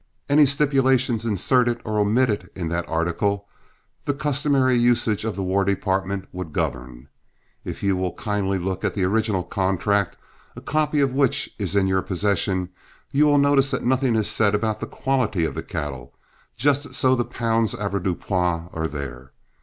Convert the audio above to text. Any stipulations inserted or omitted in that article, the customary usages of the War Department would govern. If you will kindly look at the original contract, a copy of which is in your possession, you will notice that nothing is said about the quality of the cattle, just so the pounds avoirdupois are there.